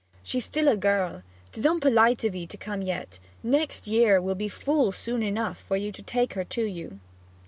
She's still a girl; 'tis onpolite of 'ee to come yet; next year will be full soon enough for you to take her to you.'